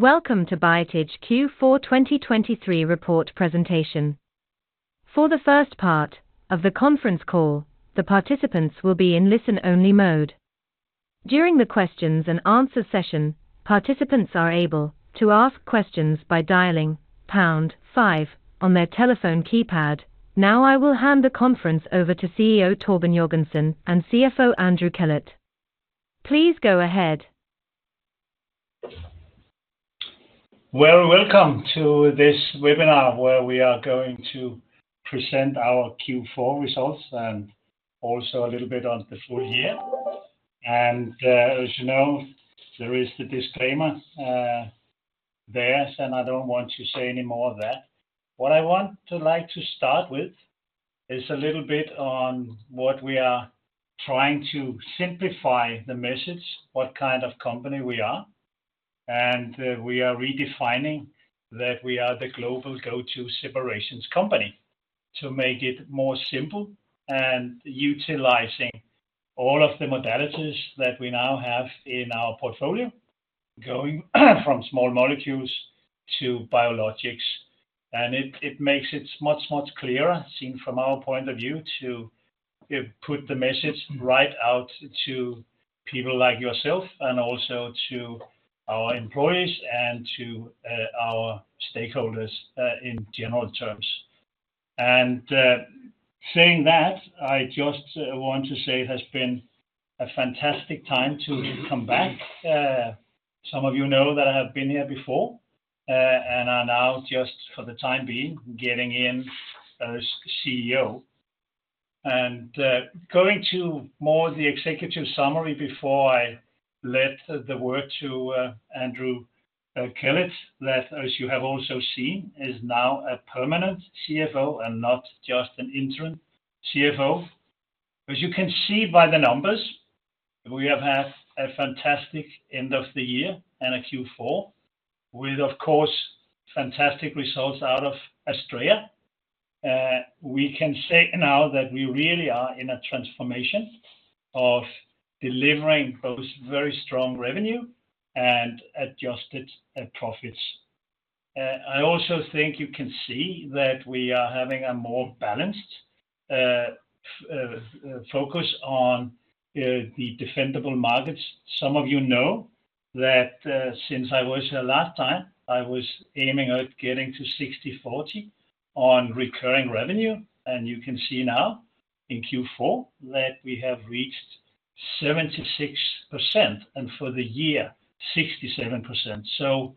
Welcome to Biotage Q4 2023 report presentation. For the first part of the conference call, the participants will be in listen-only mode. During the questions-and-answers session, participants are able to ask questions by dialing pound five on their telephone keypad. Now I will hand the conference over to CEO Torben Jørgensen and CFO Andrew Kellett. Please go ahead. Well, welcome to this webinar where we are going to present our Q4 results and also a little bit on the full-year. As you know, there is the disclaimer there, and I don't want to say any more of that. What I want to like to start with is a little bit on what we are trying to simplify the message, what kind of company we are. We are redefining that we are the Global Go-To Separations Company to make it more simple and utilizing all of the modalities that we now have in our portfolio, going from small molecules to biologics. It makes it much, much clearer, seen from our point of view, to put the message right out to people like yourself and also to our employees and to our stakeholders in general terms. Saying that, I just want to say it has been a fantastic time to come back. Some of you know that I have been here before and are now just, for the time being, getting in as CEO. Going to more the executive summary before I let the word to Andrew Kellett, that as you have also seen, is now a permanent CFO and not just an interim CFO. As you can see by the numbers, we have had a fantastic end of the year and a Q4 with, of course, fantastic results out of Astrea. We can say now that we really are in a transformation of delivering those very strong revenue and adjusted profits. I also think you can see that we are having a more balanced focus on the defendable markets. Some of you know that since I was here last time, I was aiming at getting to 60/40 on recurring revenue. You can see now in Q4 that we have reached 76% and for the year, 67%.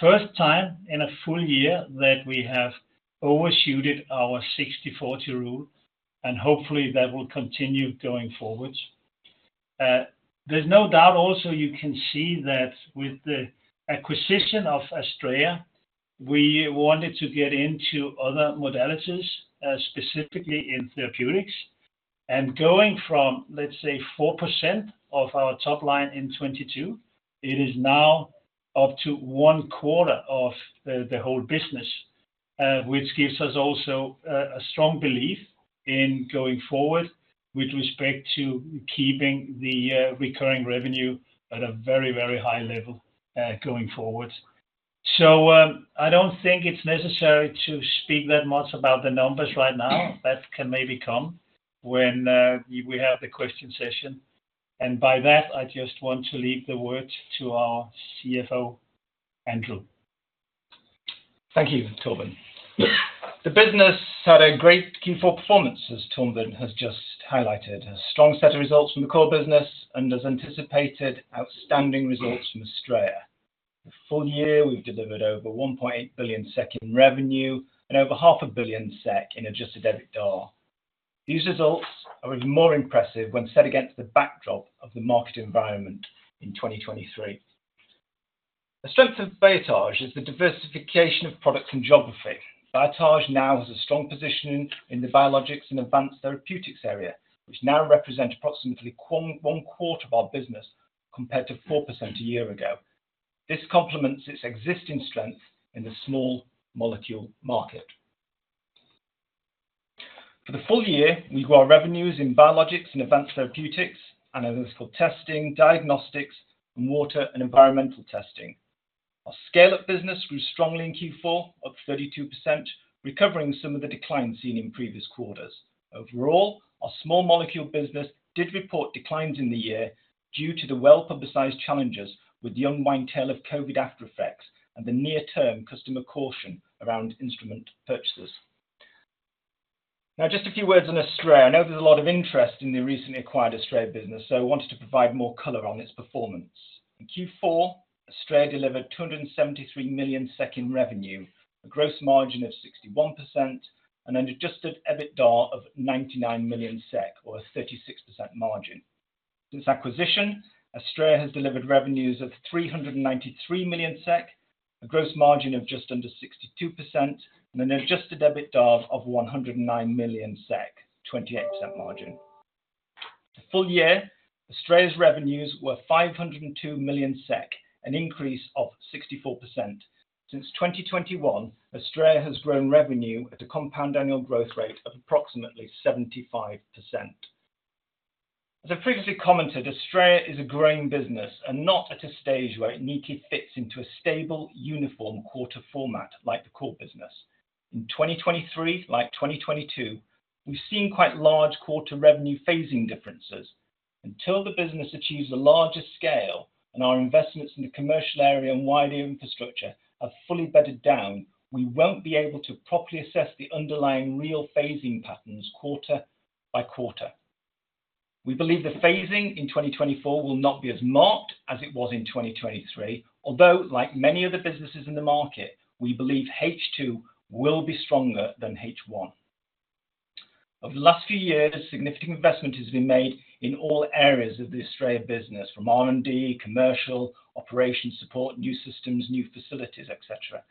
First time in a full-year that we have overshot our 60/40 rule, and hopefully that will continue going forward. There's no doubt also you can see that with the acquisition of Astrea, we wanted to get into other modalities, specifically in therapeutics. Going from, let's say, 4% of our top line in 2022, it is now up to one-quarter of the whole business, which gives us also a strong belief in going forward with respect to keeping the recurring revenue at a very, very high level going forward. I don't think it's necessary to speak that much about the numbers right now. That can maybe come when we have the question session. And by that, I just want to leave the word to our CFO, Andrew. Thank you, Torben. The business had a great Q4 performance, as Torben has just highlighted, a strong set of results from the core business and, as anticipated, outstanding results from Astrea. The full-year, we've delivered over 1.8 billion SEK in revenue and over 0.5 billion SEK in Adjusted EBITDA. These results are even more impressive when set against the backdrop of the market environment in 2023. The strength of Biotage is the diversification of products and geography. Biotage now has a strong position in the biologics and advanced therapeutics area, which now represent approximately one-quarter of our business compared to 4% a year ago. This complements its existing strength in the small molecule market. For the full-year, we grew our revenues in biologics and advanced therapeutics, analytical testing, diagnostics, and water and environmental testing. Our scale-up business grew strongly in Q4, up 32%, recovering some of the declines seen in previous quarters. Overall, our small molecule business did report declines in the year due to the well-publicized challenges with the unwind tail of COVID aftereffects and the near-term customer caution around instrument purchases. Now, just a few words on Astrea. I know there's a lot of interest in the recently acquired Astrea business, so I wanted to provide more color on its performance. In Q4, Astrea delivered 273 million in revenue, a gross margin of 61%, and an Adjusted EBITDA of 99 million SEK, or a 36% margin. Since acquisition, Astrea has delivered revenues of 393 million SEK, a gross margin of just under 62%, and an Adjusted EBITDA of 109 million SEK, 28% margin. The full-year, Astrea's revenues were 502 million SEK, an increase of 64%. Since 2021, Astrea has grown revenue at a compound annual growth rate of approximately 75%. As I've previously commented, Astrea is a growing business and not at a stage where it neatly fits into a stable, uniform quarter format like the core business. In 2023, like 2022, we've seen quite large quarter revenue phasing differences. Until the business achieves the largest scale and our investments in the commercial area and wider infrastructure have fully bedded down, we won't be able to properly assess the underlying real phasing patterns quarter by quarter. We believe the phasing in 2024 will not be as marked as it was in 2023, although, like many other businesses in the market, we believe H2 will be stronger than H1. Over the last few years, significant investment has been made in all areas of the Astrea business, from R&D, commercial, operations support, new systems, new facilities, etc.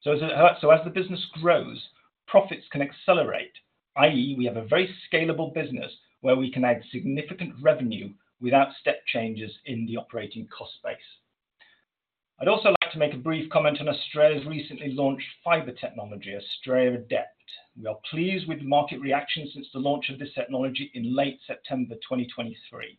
So as the business grows, profits can accelerate, i.e., we have a very scalable business where we can add significant revenue without step changes in the operating cost base. I'd also like to make a brief comment on Astrea's recently launched fiber technology, Astrea Adept. We are pleased with market reaction since the launch of this technology in late September 2023.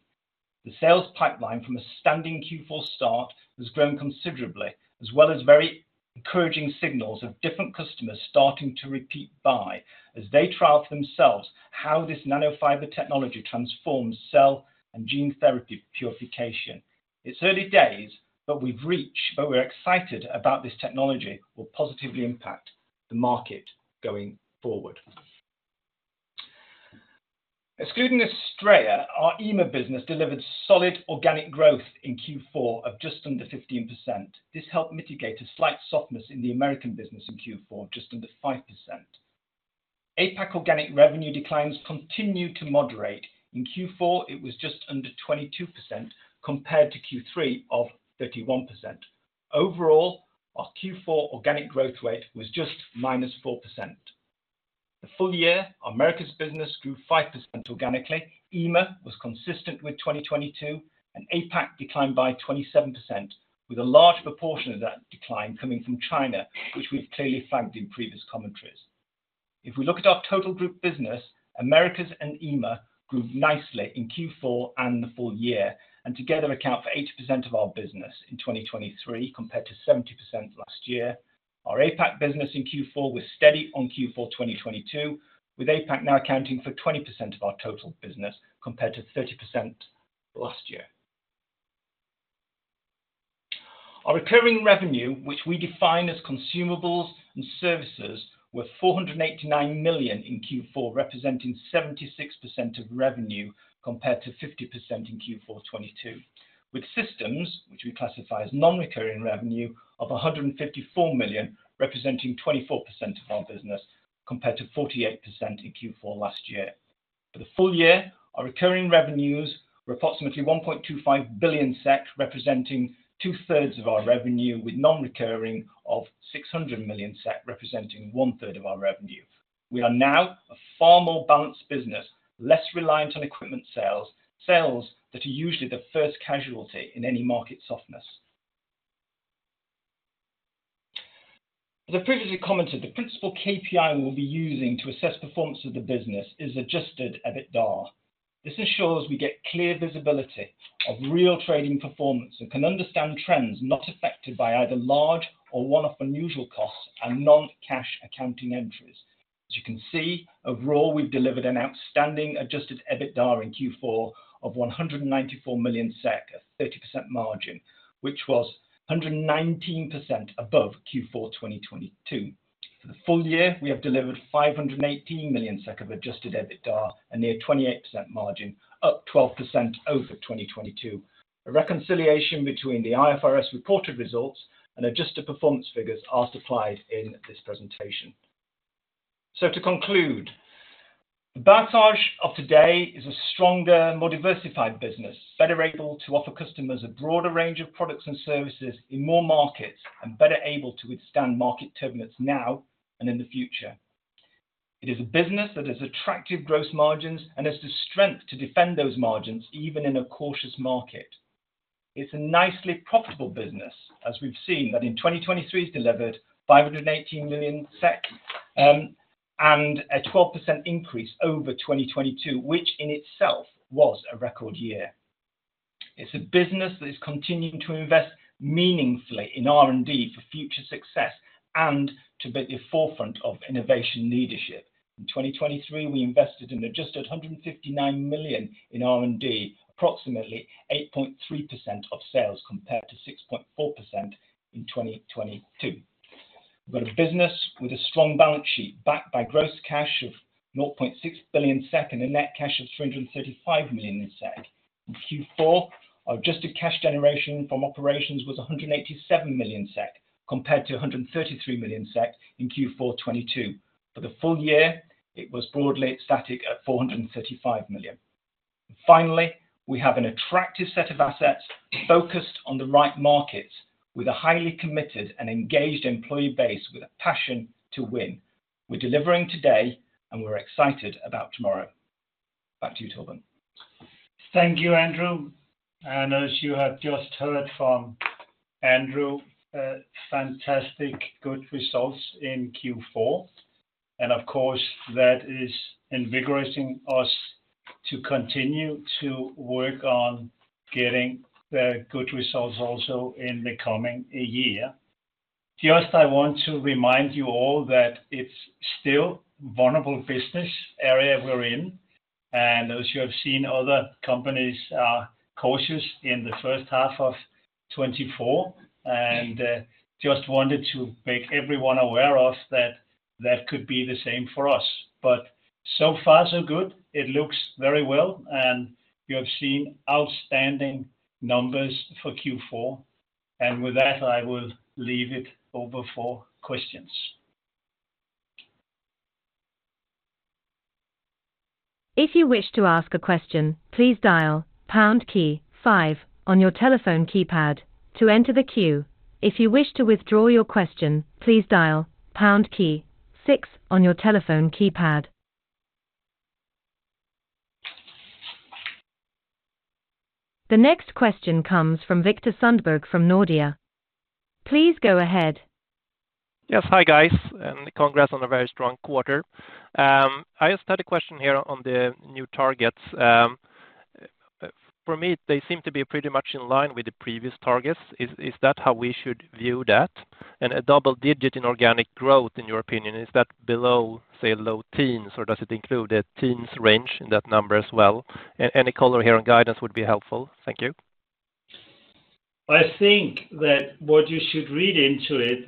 The sales pipeline from a standing Q4 start has grown considerably, as well as very encouraging signals of different customers starting to repeat buy as they trial for themselves how this nanofiber technology transforms cell and gene therapy purification. It's early days, but we've reached where we're excited about this technology will positively impact the market going forward. Excluding Astrea, our EMA business delivered solid organic growth in Q4 of just under 15%. This helped mitigate a slight softness in the American business in Q4 of just under 5%. APAC organic revenue declines continue to moderate. In Q4, it was just under 22% compared to Q3 of 31%. Overall, our Q4 organic growth rate was just -4%. The full-year, Americas business grew 5% organically. EMA was consistent with 2022, and APAC declined by 27%, with a large proportion of that decline coming from China, which we've clearly flagged in previous commentaries. If we look at our total group business, Americas and EMA grew nicely in Q4 and the full-year and together account for 80% of our business in 2023 compared to 70% last year. Our APAC business in Q4 was steady on Q4 2022, with APAC now accounting for 20% of our total business compared to 30% last year. Our recurring revenue, which we define as consumables and services, were 489 million in Q4, representing 76% of revenue compared to 50% in Q4 2022, with systems, which we classify as non-recurring revenue, of 154 million, representing 24% of our business compared to 48% in Q4 last year. For the full-year, our recurring revenues were approximately 1.25 billion SEK, representing two-thirds of our revenue, with non-recurring of 600 million SEK, representing 1/3 of our revenue. We are now a far more balanced business, less reliant on equipment sales, sales that are usually the first casualty in any market softness. As I've previously commented, the principal KPI we'll be using to assess performance of the business is Adjusted EBITDA. This ensures we get clear visibility of real trading performance and can understand trends not affected by either large or one-off unusual costs and non-cash accounting entries. As you can see, overall, we've delivered an outstanding Adjusted EBITDA in Q4 of 194 million SEK, a 30% margin, which was 119% above Q4 2022. For the full-year, we have delivered 518 million SEK of Adjusted EBITDA, a near 28% margin, up 12% over 2022. A reconciliation between the IFRS reported results and adjusted performance figures are supplied in this presentation. So to conclude, Biotage of today is a stronger, more diversified business, better able to offer customers a broader range of products and services in more markets, and better able to withstand market turbulence now and in the future. It is a business that has attractive gross margins and has the strength to defend those margins, even in a cautious market. It's a nicely profitable business, as we've seen that in 2023, it delivered 518 million SEK and a 12% increase over 2022, which in itself was a record year. It's a business that is continuing to invest meaningfully in R&D for future success and to be at the forefront of innovation leadership. In 2023, we invested in adjusted 159 million in R&D, approximately 8.3% of sales compared to 6.4% in 2022. We've got a business with a strong balance sheet backed by gross cash of 0.6 billion SEK and a net cash of 335 million. In Q4, our adjusted cash generation from operations was 187 million SEK compared to 133 million SEK in Q4 2022. For the full-year, it was broadly static at 435 million. Finally, we have an attractive set of assets focused on the right markets, with a highly committed and engaged employee base with a passion to win. We're delivering today, and we're excited about tomorrow. Back to you, Torben. Thank you, Andrew. And as you have just heard from Andrew, fantastic good results in Q4. And of course, that is invigorating us to continue to work on getting good results also in the coming year. Just, I want to remind you all that it's still a vulnerable business area we're in. And as you have seen, other companies are cautious in the first half of 2024. And just wanted to make everyone aware of that that could be the same for us. But so far, so good. It looks very well. And you have seen outstanding numbers for Q4. And with that, I will leave it over for questions. If you wish to ask a question, please dial pound key five on your telephone keypad to enter the queue. If you wish to withdraw your question, please dial pound key six on your telephone keypad. The next question comes from Viktor Sundberg from Nordea. Please go ahead. Yes, hi guys. Congrats on a very strong quarter. I just had a question here on the new targets. For me, they seem to be pretty much in line with the previous targets. Is that how we should view that? A double-digit in organic growth, in your opinion, is that below, say, low teens, or does it include the teens range in that number as well? Any color here on guidance would be helpful. Thank you. I think that what you should read into it,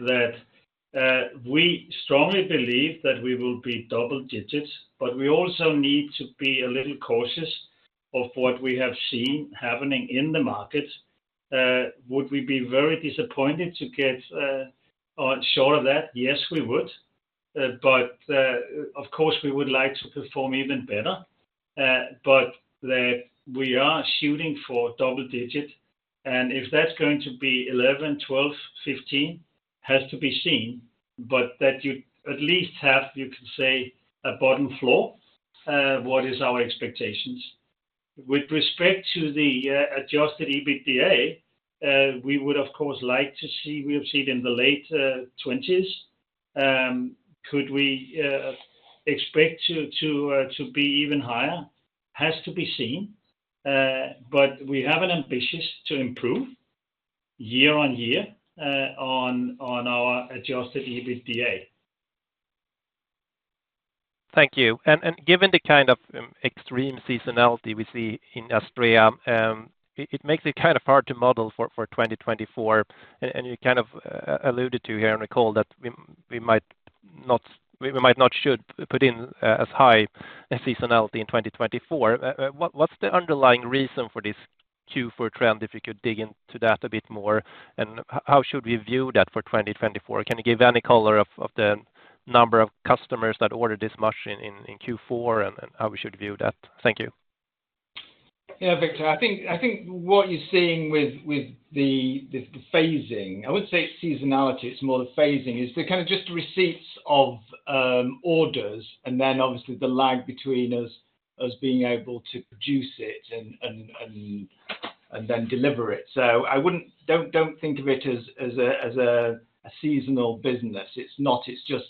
that we strongly believe that we will be double digits, but we also need to be a little cautious of what we have seen happening in the markets. Would we be very disappointed to get short of that? Yes, we would. But of course, we would like to perform even better. But that we are shooting for double digit. And if that's going to be 11, 12, 15, has to be seen. But that you at least have, you can say, a bottom floor, what is our expectations. With respect to the Adjusted EBITDA, we would, of course, like to see what we have seen in the late 20s. Could we expect to be even higher? Has to be seen. But we have an ambition to improve year-on-year on our Adjusted EBITDA. Thank you. And given the kind of extreme seasonality we see in Astrea, it makes it kind of hard to model for 2024. And you kind of alluded to here on the call that we might not should put in as high a seasonality in 2024. What's the underlying reason for this Q4 trend, if you could dig into that a bit more? And how should we view that for 2024? Can you give any color of the number of customers that ordered this much in Q4 and how we should view that? Thank you. Yeah, Victor. I think what you're seeing with the phasing, I wouldn't say it's seasonality, it's more the phasing is the kind of just receipts of orders and then obviously the lag between us being able to produce it and then deliver it. So I don't think of it as a seasonal business. It's not. It's just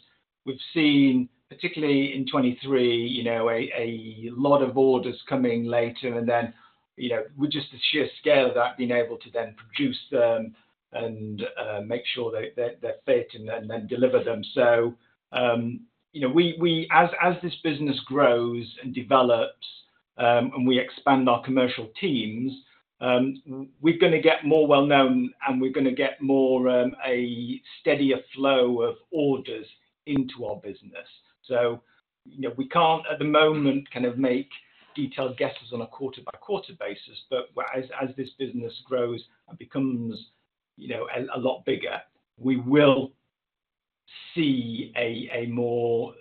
we've seen, particularly in 2023, a lot of orders coming later. And then with just the sheer scale of that, being able to then produce them and make sure that they're fit and then deliver them. So as this business grows and develops and we expand our commercial teams, we're going to get more well-known and we're going to get a steadier flow of orders into our business. So we can't, at the moment, kind of make detailed guesses on a quarter-by-quarter basis. But as this business grows and becomes a lot bigger, we will see a more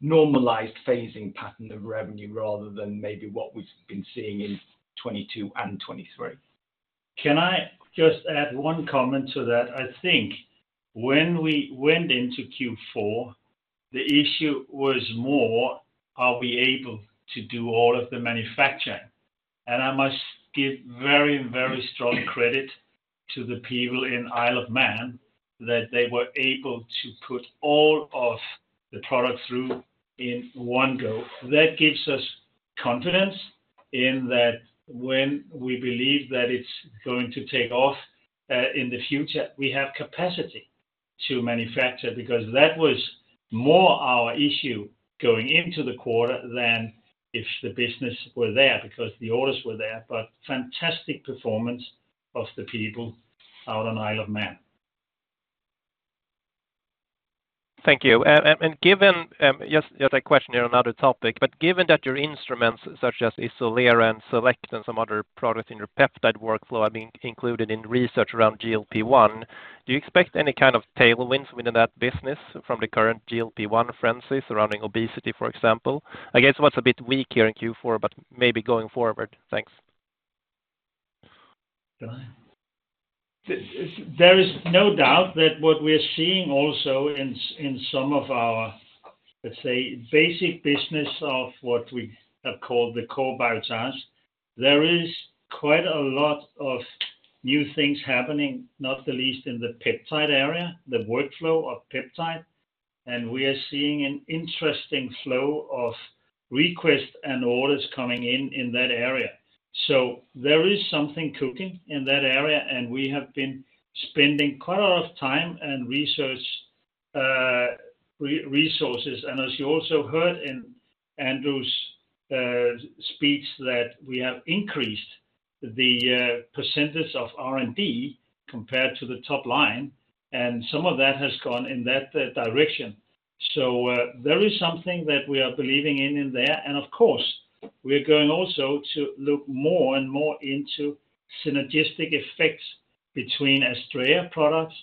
normalized phasing pattern of revenue rather than maybe what we've been seeing in 2022 and 2023. Can I just add one comment to that? I think when we went into Q4, the issue was more, are we able to do all of the manufacturing? And I must give very, very strong credit to the people in Isle of Man that they were able to put all of the products through in one go. That gives us confidence in that when we believe that it's going to take off in the future, we have capacity to manufacture because that was more our issue going into the quarter than if the business were there because the orders were there. But fantastic performance of the people out on Isle of Man. Thank you. Given just a question here on another topic, but given that your instruments such as Isolera and Selekt and some other products in your peptide workflow have been included in research around GLP-1, do you expect any kind of tailwinds within that business from the current GLP-1 frenzy surrounding obesity, for example? I guess what's a bit weak here in Q4, but maybe going forward. Thanks. There is no doubt that what we are seeing also in some of our, let's say, basic business of what we have called the core Biotage, there is quite a lot of new things happening, not the least in the peptide area, the workflow of peptide. And we are seeing an interesting flow of requests and orders coming in in that area. So there is something cooking in that area. And we have been spending quite a lot of time and research resources. And as you also heard in Andrew's speech, that we have increased the percentage of R&D compared to the top line. And some of that has gone in that direction. So there is something that we are believing in there. And of course, we are going also to look more and more into synergistic effects between Astrea products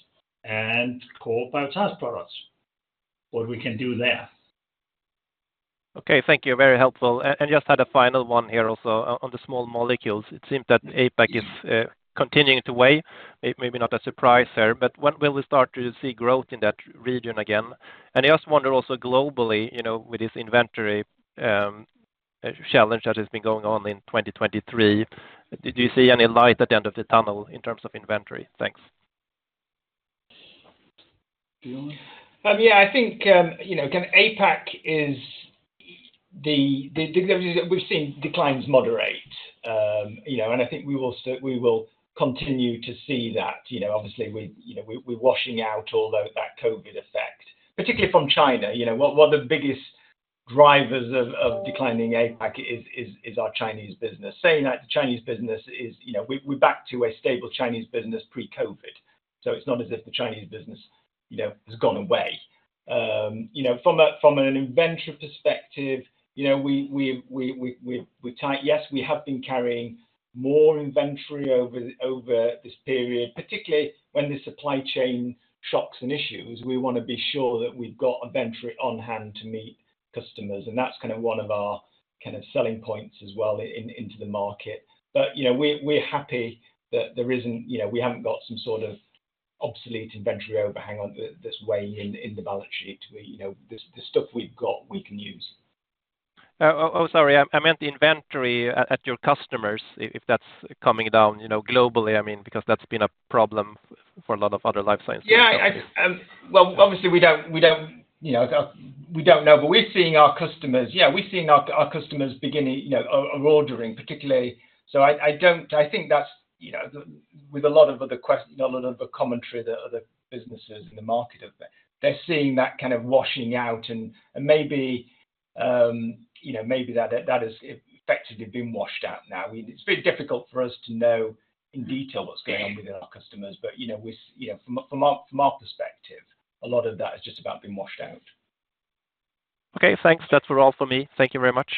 and core Biotage products, what we can do there. Okay, thank you. Very helpful. And just had a final one here also on the small molecules. It seemed that APAC is continuing to weigh, maybe not a surprise there. But when will we start to see growth in that region again? And I just wonder also globally, with this inventory challenge that has been going on in 2023, do you see any light at the end of the tunnel in terms of inventory? Thanks. Yeah, I think APAC is where we've seen declines moderate. And I think we will continue to see that. Obviously, we're washing out all that COVID effect, particularly from China. One of the biggest drivers of declining APAC is our Chinese business. Saying that, the Chinese business is back to a stable Chinese business pre-COVID. So it's not as if the Chinese business has gone away. From an inventory perspective, we're tight. Yes, we have been carrying more inventory over this period, particularly when the supply chain shocks and issues. We want to be sure that we've got inventory on hand to meet customers. And that's kind of one of our kind of selling points as well into the market. But we're happy that we haven't got some sort of obsolete inventory overhang that's weighing on the balance sheet. The stuff we've got, we can use. Oh, sorry. I meant the inventory at your customers, if that's coming down globally, I mean, because that's been a problem for a lot of other life science companies. Yeah. Well, obviously, we don't know, but we're seeing our customers beginning to order, particularly. So I think that's with a lot of other questions, a lot of commentary that other businesses in the market have, they're seeing that kind of washing out. And maybe that has effectively been washed out now. It's very difficult for us to know in detail what's going on with our customers. But from our perspective, a lot of that is just about being washed out. Okay, thanks. That's all for me. Thank you very much.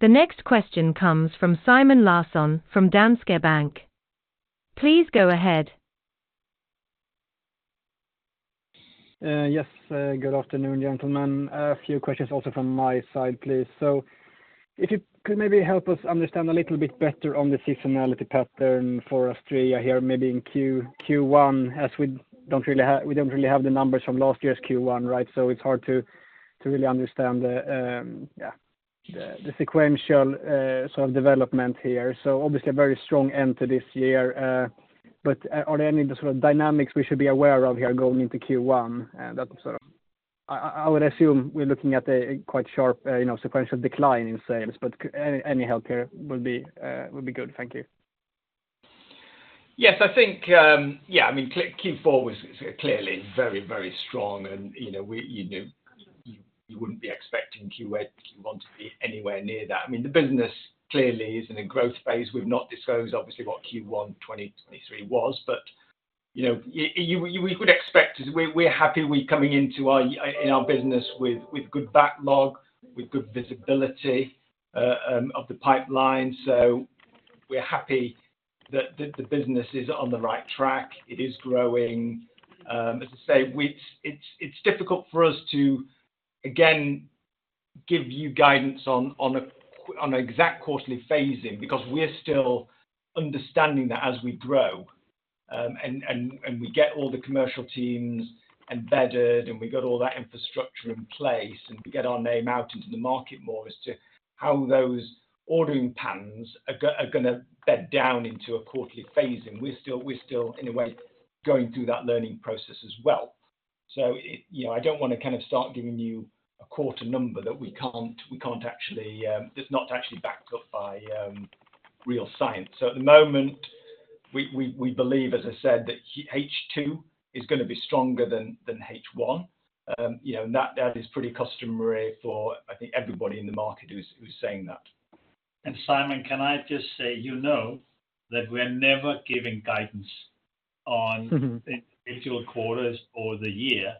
The next question comes from Simon Larsson from Danske Bank. Please go ahead. Yes. Good afternoon, gentlemen. A few questions also from my side, please. So if you could maybe help us understand a little bit better on the seasonality pattern for Astrea here, maybe in Q1, as we don't really have the numbers from last year's Q1, right? So it's hard to really understand the sequential sort of development here. So obviously, a very strong end to this year. But are there any sort of dynamics we should be aware of here going into Q1? I would assume we're looking at a quite sharp sequential decline in sales. But any help here would be good. Thank you. Yes, I think yeah, I mean, Q4 was clearly very, very strong. And you wouldn't be expecting Q1 to want to be anywhere near that. I mean, the business clearly is in a growth phase. We've not disclosed, obviously, what Q1 2023 was. But we could expect we're happy we're coming into our business with good backlog, with good visibility of the pipeline. So we're happy that the business is on the right track. It is growing. As I say, it's difficult for us to, again, give you guidance on an exact quarterly phasing because we're still understanding that as we grow. And we get all the commercial teams embedded and we got all that infrastructure in place and we get our name out into the market more as to how those ordering patterns are going to bed down into a quarterly phasing. We're still, in a way, going through that learning process as well. So I don't want to kind of start giving you a quarter number that we can't actually, that's not actually backed up by real science. So at the moment, we believe, as I said, that H2 is going to be stronger than H1. And that is pretty customary for, I think, everybody in the market who's saying that. Simon, can I just say, you know that we are never giving guidance on individual quarters or the year.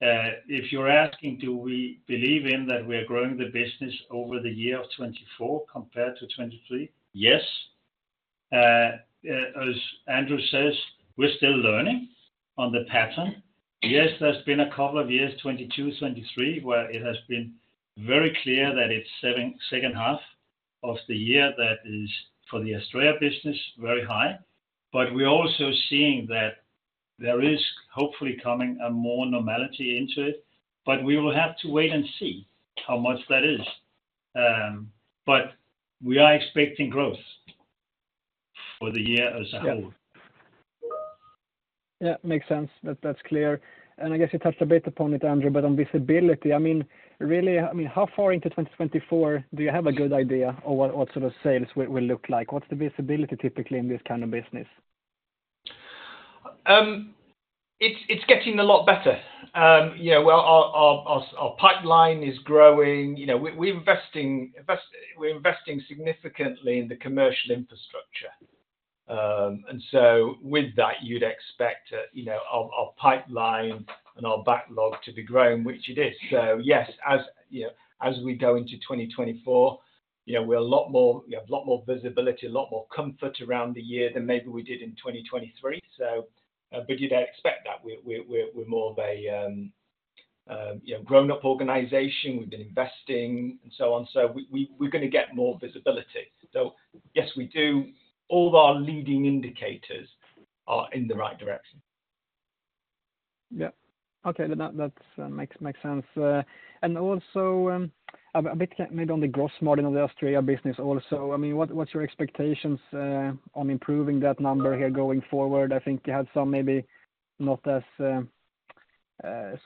If you're asking, do we believe in that we are growing the business over the year of 2024 compared to 2023? Yes. As Andrew says, we're still learning on the pattern. Yes, there's been a couple of years, 2022, 2023, where it has been very clear that it's second half of the year that is for the Astrea business very high. But we're also seeing that there is hopefully coming a more normality into it. But we will have to wait and see how much that is. But we are expecting growth for the year as a whole. Yeah, makes sense. That's clear. I guess you touched a bit upon it, Andrew, but on visibility, I mean, really, I mean, how far into 2024 do you have a good idea of what sort of sales will look like? What's the visibility typically in this kind of business? It's getting a lot better. Well, our pipeline is growing. We're investing significantly in the commercial infrastructure. And so with that, you'd expect our pipeline and our backlog to be growing, which it is. So yes, as we go into 2024, we're a lot more we have a lot more visibility, a lot more comfort around the year than maybe we did in 2023. But you'd expect that. We're more of a grown-up organization. We've been investing and so on. So we're going to get more visibility. So yes, we do. All our leading indicators are in the right direction. Yeah. Okay, then that makes sense. And also a bit maybe on the gross margin of the Astrea business also, I mean, what's your expectations on improving that number here going forward? I think you had some maybe not as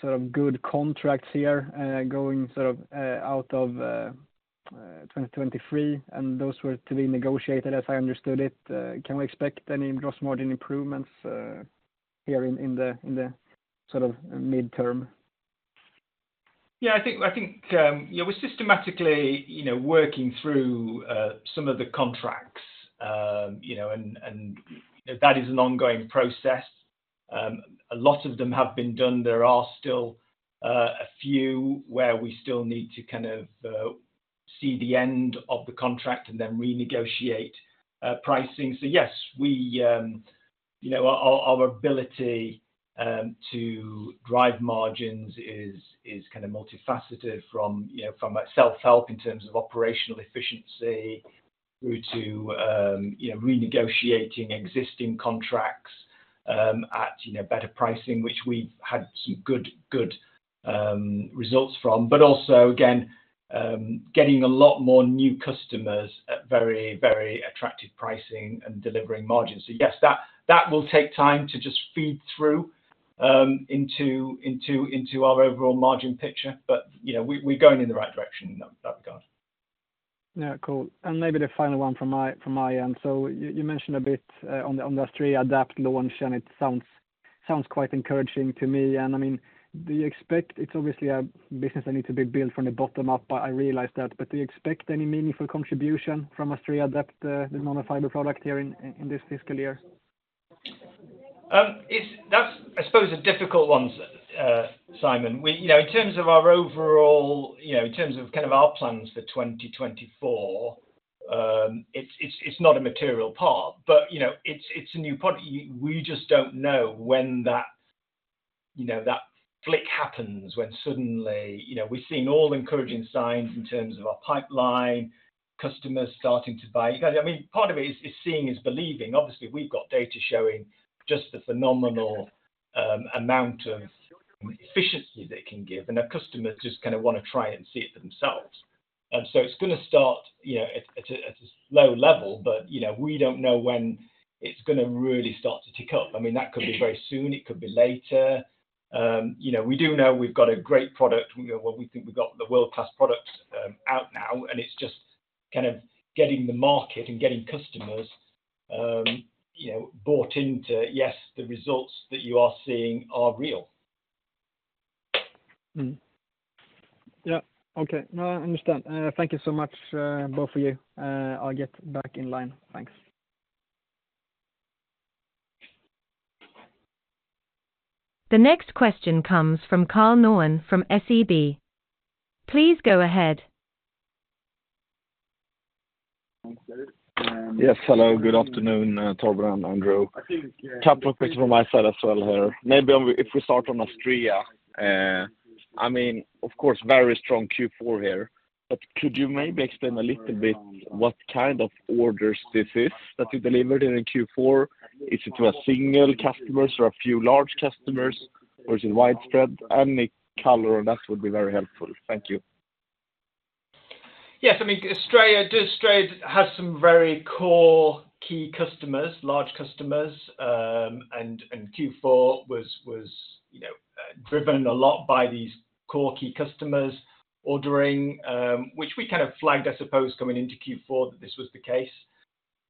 sort of good contracts here going sort of out of 2023. And those were to be negotiated, as I understood it. Can we expect any gross margin improvements here in the sort of midterm? Yeah, I think we're systematically working through some of the contracts. That is an ongoing process. A lot of them have been done. There are still a few where we still need to kind of see the end of the contract and then renegotiate pricing. So yes, our ability to drive margins is kind of multifaceted from self-help in terms of operational efficiency through to renegotiating existing contracts at better pricing, which we've had some good results from. But also, again, getting a lot more new customers at very, very attractive pricing and delivering margins. So yes, that will take time to just feed through into our overall margin picture. But we're going in the right direction in that regard. Yeah, cool. And maybe the final one from my end. So you mentioned a bit on the Astrea Adept launch, and it sounds quite encouraging to me. And I mean, do you expect it's obviously a business that needs to be built from the bottom up, but I realize that. But do you expect any meaningful contribution from Astrea Adept, the nanofiber product, here in this fiscal year? That's, I suppose, a difficult one, Simon. In terms of our overall in terms of kind of our plans for 2024, it's not a material part. But it's a new product. We just don't know when that flick happens, when suddenly we're seeing all encouraging signs in terms of our pipeline, customers starting to buy. I mean, part of it is seeing is believing. Obviously, we've got data showing just the phenomenal amount of efficiency that it can give. And our customers just kind of want to try and see it for themselves. So it's going to start at a low level, but we don't know when it's going to really start to tick up. I mean, that could be very soon. It could be later. We do know we've got a great product. We think we've got the world-class products out now. It's just kind of getting the market and getting customers bought into, yes, the results that you are seeing are real. Yeah. Okay. No, I understand. Thank you so much, both of you. I'll get back in line. Thanks. The next question comes from Karl Norén from SEB. Please go ahead. Yes, hello. Good afternoon, Torben and Andrew. A couple of questions from my side as well here. Maybe if we start on Astrea. I mean, of course, very strong Q4 here. But could you maybe explain a little bit what kind of orders this is that you delivered here in Q4? Is it to a single customer or a few large customers? Or is it widespread? Any color on that would be very helpful. Thank you. Yes, I mean, Astrea does have some very core key customers, large customers. And Q4 was driven a lot by these core key customers ordering, which we kind of flagged, I suppose, coming into Q4 that this was the case.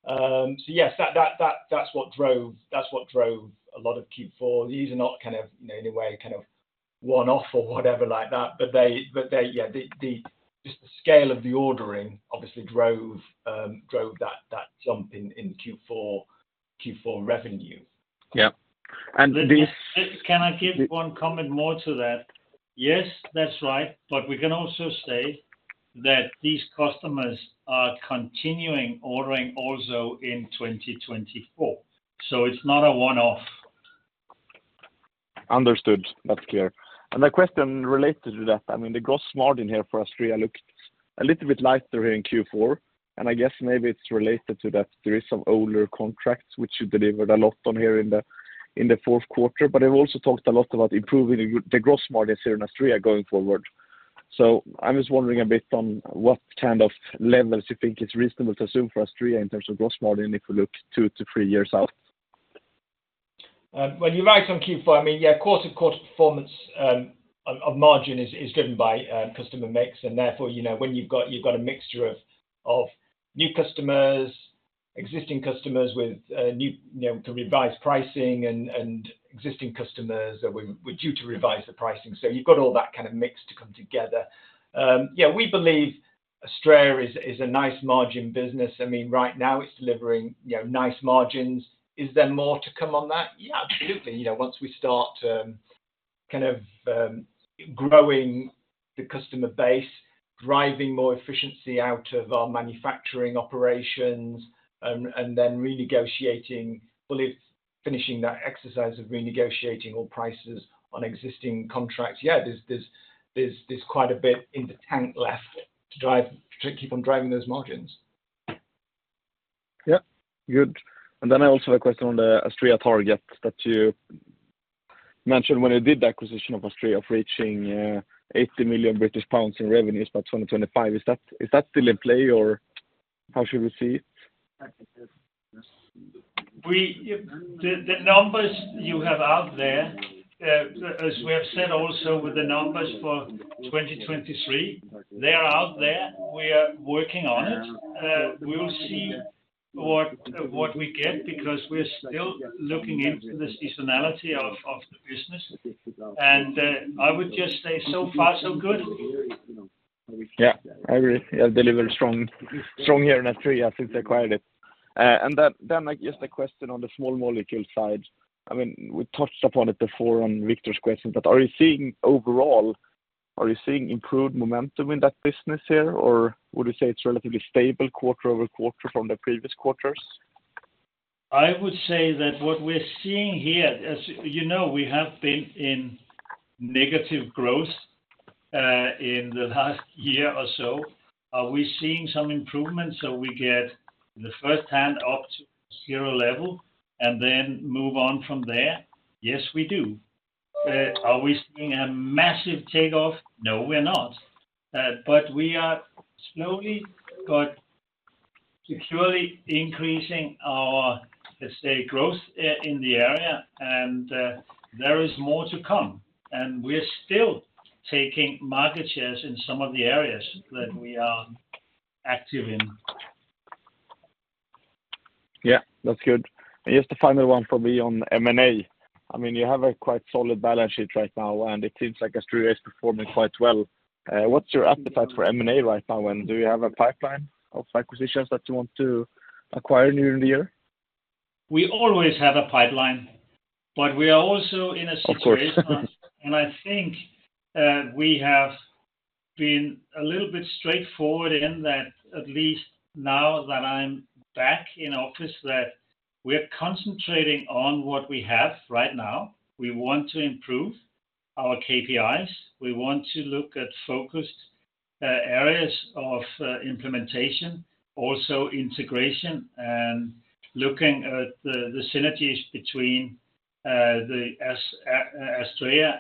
So yes, that's what drove a lot of Q4. These are not kind of, in a way, kind of one-off or whatever like that. But yeah, just the scale of the ordering, obviously, drove that jump in Q4 revenue. Yeah. And this. Can I give one comment more to that? Yes, that's right. But we can also say that these customers are continuing ordering also in 2024. It's not a one-off. Understood. That's clear. And the question related to that, I mean, the gross margin here for Astrea looked a little bit lighter here in Q4. And I guess maybe it's related to that there is some older contracts which you delivered a lot on here in the fourth quarter. But they've also talked a lot about improving the gross margins here in Astrea going forward. So I'm just wondering a bit on what kind of levels you think is reasonable to assume for Astrea in terms of gross margin if we look two to three years out. When you write on Q4, I mean, yeah, of course, of course, performance of margin is driven by customer mix. And therefore, when you've got a mixture of new customers, existing customers with new to revise pricing, and existing customers that we're due to revise the pricing. So you've got all that kind of mix to come together. Yeah, we believe Astrea is a nice margin business. I mean, right now, it's delivering nice margins. Is there more to come on that? Yeah, absolutely. Once we start kind of growing the customer base, driving more efficiency out of our manufacturing operations, and then renegotiating fully finishing that exercise of renegotiating all prices on existing contracts, yeah, there's quite a bit in the tank left to keep on driving those margins. Yeah, good. Then I also have a question on the Astrea target that you mentioned when you did the acquisition of Astrea of reaching 80 million British pounds in revenues by 2025. Is that still in play, or how should we see it? The numbers you have out there, as we have said also with the numbers for 2023, they are out there. We are working on it. We will see what we get because we're still looking into the seasonality of the business. I would just say so far, so good. Yeah, I agree. Yeah, deliver strong here in Astrea since they acquired it. And then just a question on the small molecule side. I mean, we touched upon it before on Victor's question that are you seeing overall are you seeing improved momentum in that business here, or would you say it's relatively stable quarter-over-quarter from the previous quarters? I would say that what we're seeing here, as you know, we have been in negative growth in the last year or so. Are we seeing some improvements so we get in the first hand up to zero level and then move on from there? Yes, we do. Are we seeing a massive takeoff? No, we're not. But we are slowly but securely increasing our, let's say, growth in the area. There is more to come. We're still taking market shares in some of the areas that we are active in. Yeah, that's good. Just a final one for me on M&A. I mean, you have a quite solid balance sheet right now, and it seems like Astrea is performing quite well. What's your appetite for M&A right now, and do you have a pipeline of acquisitions that you want to acquire near the year? We always have a pipeline. But we are also in a situation. I think we have been a little bit straightforward in that at least now that I'm back in office, that we're concentrating on what we have right now. We want to improve our KPIs. We want to look at focused areas of implementation, also integration, and looking at the synergies between Astrea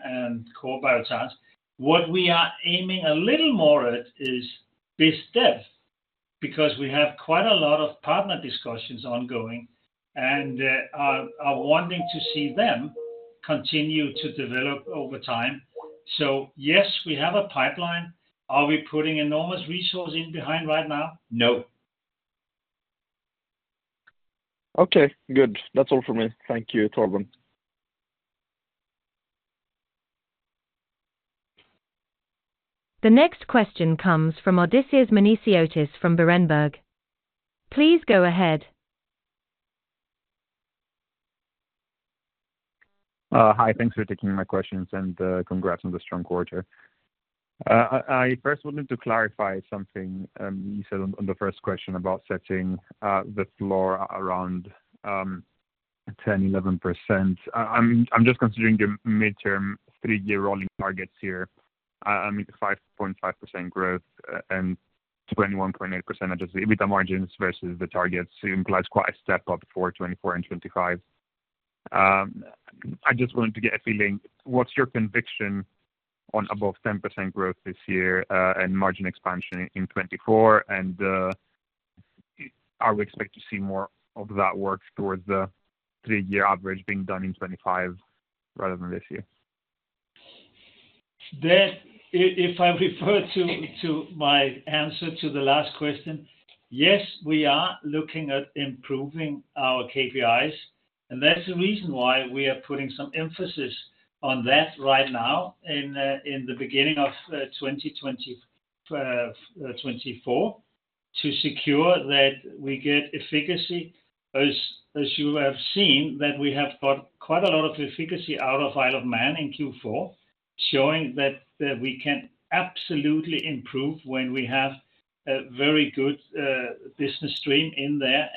and core Biotage. What we are aiming a little more at is BizDev because we have quite a lot of partner discussions ongoing and are wanting to see them continue to develop over time. So yes, we have a pipeline. Are we putting enormous resources in behind right now? No. Okay, good. That's all for me. Thank you, Torben. The next question comes from Odysseas Manesiotis from Berenberg. Please go ahead. Hi, thanks for taking my questions and congrats on the strong quarter. I first would need to clarify something you said on the first question about setting the floor around 10%-11%. I'm just considering your midterm three-year rolling targets here. I mean, 5.5% growth and 21.8% with the margins versus the targets implies quite a step up for 2024 and 2025. I just wanted to get a feeling. What's your conviction on above 10% growth this year and margin expansion in 2024? And are we expect to see more of that work towards the three-year average being done in 2025 rather than this year? If I refer to my answer to the last question, yes, we are looking at improving our KPIs. That's the reason why we are putting some emphasis on that right now in the beginning of 2024 to secure that we get efficacy. As you have seen, that we have got quite a lot of efficacy out of Isle of Man in Q4, showing that we can absolutely improve when we have a very good business stream in there.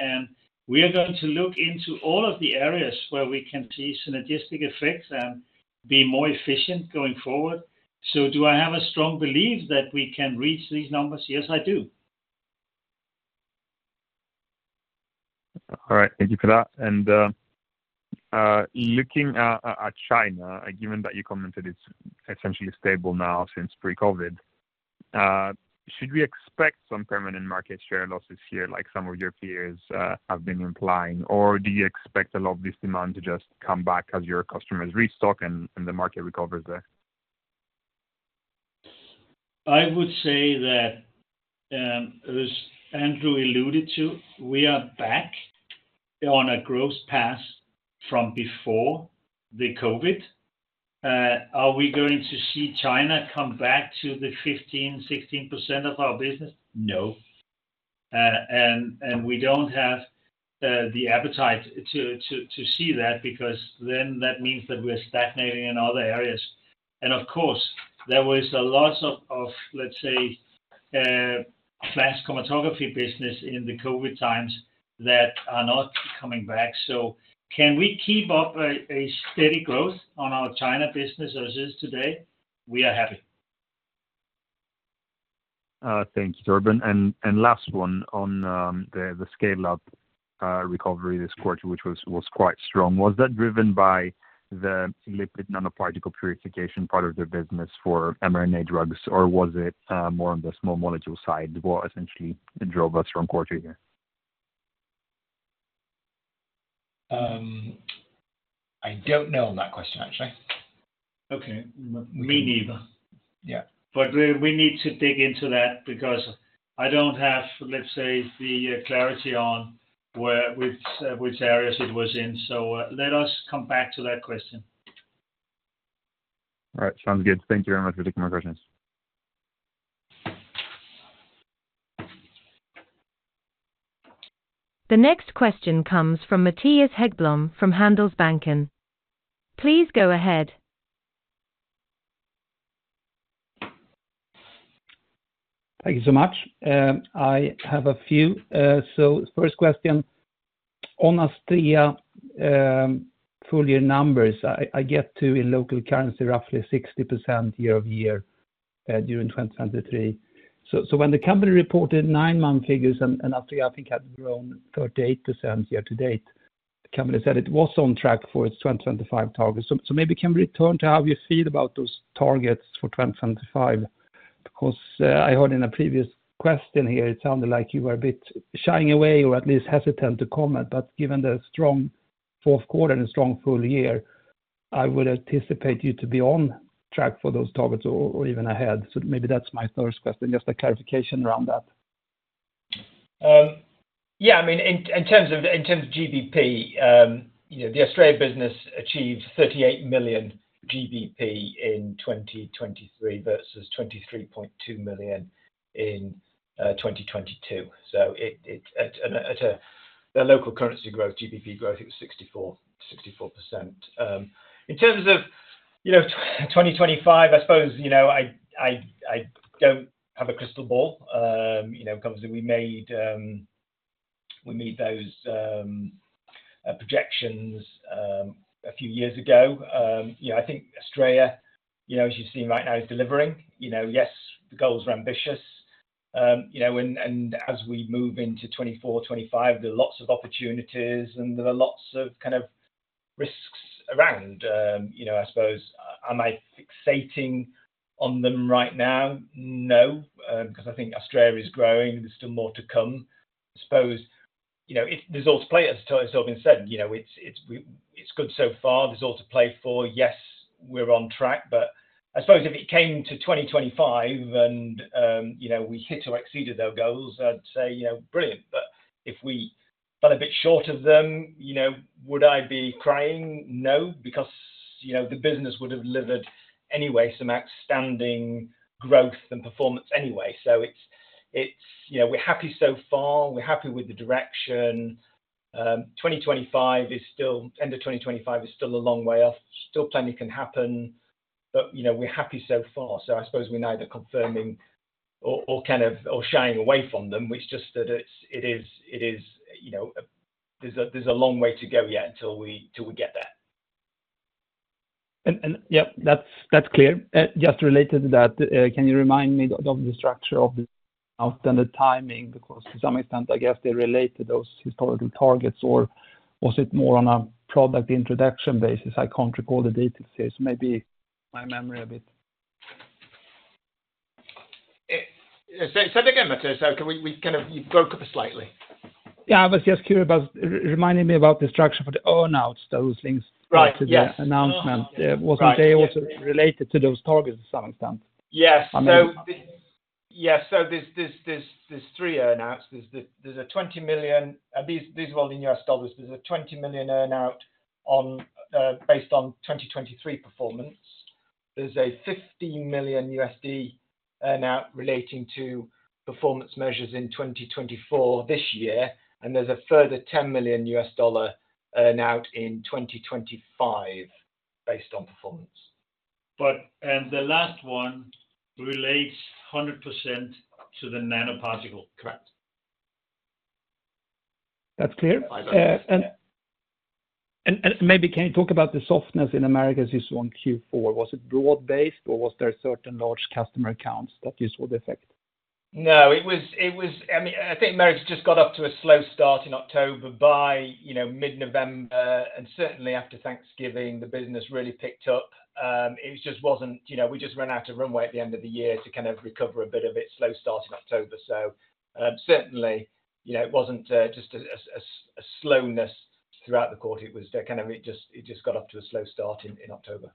We are going to look into all of the areas where we can see synergistic effects and be more efficient going forward. So do I have a strong belief that we can reach these numbers? Yes, I do. All right. Thank you for that. Looking at China, given that you commented it's essentially stable now since pre-COVID, should we expect some permanent market share losses here like some of your peers have been implying? Or do you expect a lot of this demand to just come back as your customers restock and the market recovers there? I would say that, as Andrew alluded to, we are back on a growth path from before the COVID. Are we going to see China come back to the 15%-16% of our business? No. And we don't have the appetite to see that because then that means that we are stagnating in other areas. And of course, there was a lot of, let's say, flash chromatography business in the COVID times that are not coming back. So can we keep up a steady growth on our China business as it is today? We are happy. Thank you, Torben. Last one on the scale-up recovery this quarter, which was quite strong. Was that driven by the lipid nanoparticle purification part of the business for mRNA drugs, or was it more on the small molecule side what essentially drove a strong quarter here? I don't know on that question, actually. Okay. Me neither. But we need to dig into that because I don't have, let's say, the clarity on which areas it was in. So let us come back to that question. All right. Sounds good. Thank you very much for taking my questions. The next question comes from Mattias Häggblom from Handelsbanken. Please go ahead. Thank you so much. I have a few. So first question, on Astrea full-year numbers, I get to in local currency roughly 60% year-over-year during 2023. So when the company reported nine-month figures and Astrea, I think, had grown 38% year-to-date, the company said it was on track for its 2025 target. So maybe can we return to how you feel about those targets for 2025? Because I heard in a previous question here, it sounded like you were a bit shying away or at least hesitant to comment. But given the strong fourth quarter and strong full-year, I would anticipate you to be on track for those targets or even ahead. So maybe that's my first question, just a clarification around that. Yeah, I mean, in terms of GBP, the Astrea business achieved 38 million GBP in 2023 versus 23.2 million in 2022. So at the local currency growth, GBP growth, it was 64%. In terms of 2025, I suppose I don't have a crystal ball. Obviously, we made those projections a few years ago. I think Astrea, as you've seen right now, is delivering. Yes, the goal is ambitious. And as we move into 2024, 2025, there are lots of opportunities, and there are lots of kind of risks around, I suppose. Am I fixating on them right now? No, because I think Astrea is growing. There's still more to come. I suppose there's all to play, as Torben said. It's good so far. There's all to play for. Yes, we're on track. But I suppose if it came to 2025 and we hit or exceeded their goals, I'd say brilliant. But if we fell a bit short of them, would I be crying? No, because the business would have delivered anyway some outstanding growth and performance anyway. So we're happy so far. We're happy with the direction. 2025 is still end of 2025 is still a long way off. Still plenty can happen. But we're happy so far. So I suppose we're neither confirming or kind of or shying away from them, which just that it is there's a long way to go yet until we get there. Yeah, that's clear. Just related to that, can you remind me of the structure of the out and the timing? Because to some extent, I guess they relate to those historical targets. Or was it more on a product introduction basis? I can't recall the details here. Maybe my memory a bit. Say that again, Mattias. So we kind of you broke up slightly. Yeah, I was just curious about reminding me about the structure for the earnouts, those links to the announcement. Wasn't they also related to those targets to some extent? Yes. So yes. So there's three earnouts. There's a $20 million—these are all in U.S. dollars. There's a $20 million earnout based on 2023 performance. There's a $50 million earnout relating to performance measures in 2024 this year. And there's a further $10 million earnout in 2025 based on performance. But the last one relates 100% to the nanoparticle. Correct. That's clear. And maybe can you talk about the softness in America as you saw in Q4? Was it broad-based, or was there certain large customer accounts that you saw the effect? No, it was – I mean, I think Americas just got up to a slow start in October by mid-November. And certainly after Thanksgiving, the business really picked up. It just wasn't – we just ran out of runway at the end of the year to kind of recover a bit of it slow start in October. So certainly, it wasn't just a slowness throughout the quarter. It was kind of it just got up to a slow start in October.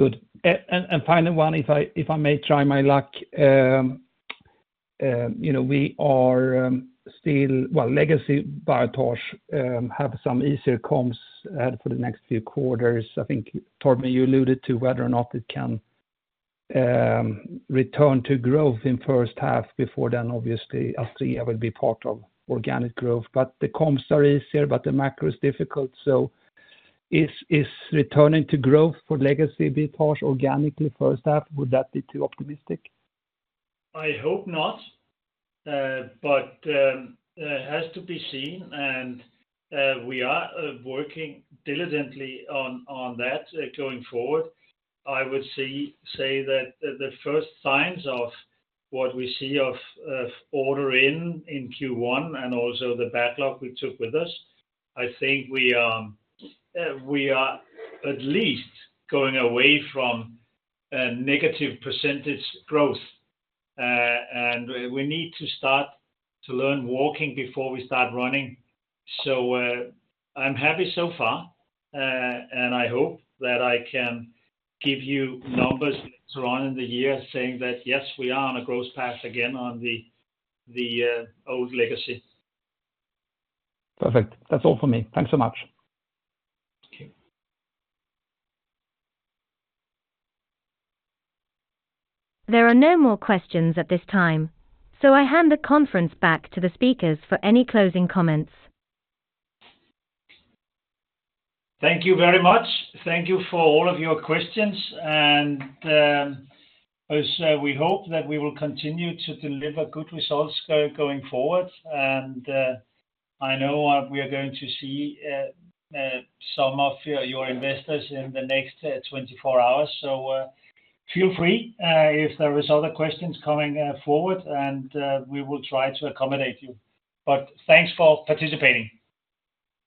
Good. And final one, if I may try my luck. We are still well, legacy Biotage have some easier comps for the next few quarters. I think, Torben, you alluded to whether or not it can return to growth in first half before then, obviously, Astrea will be part of organic growth. But the comps are easier, but the macro is difficult. So is returning to growth for legacy Biotage organically first half, would that be too optimistic? I hope not. But it has to be seen. We are working diligently on that going forward. I would say that the first signs of what we see of order in Q1 and also the backlog we took with us. I think we are at least going away from negative percentage growth. We need to start to learn walking before we start running. So I'm happy so far. I hope that I can give you numbers later on in the year saying that, yes, we are on a growth path again on the old legacy. Perfect. That's all for me. Thanks so much. There are no more questions at this time, so I hand the conference back to the speakers for any closing comments. Thank you very much. Thank you for all of your questions. We hope that we will continue to deliver good results going forward. I know we are going to see some of your investors in the next 24 hours. Feel free if there are other questions coming forward, and we will try to accommodate you. Thanks for participating.